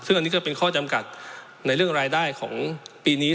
ซึ่งอันนี้ก็เป็นข้อจำกัดในเรื่องรายได้ของปีนี้